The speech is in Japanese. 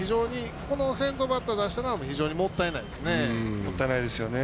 先頭バッター出したのは非常にもったいないですね。